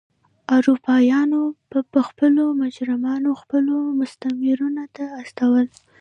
اروپایانو به پخوا مجرمان خپلو مستعمرو ته استول.